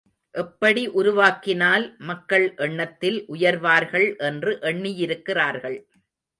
எப்படி உருவாக்கினால் மக்கள் எண்ணத்தில் உயர்வார்கள் என்று எண்ணியிருக்கிறார்கள்.